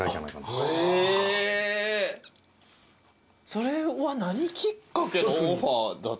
それは何きっかけのオファーだったんですか？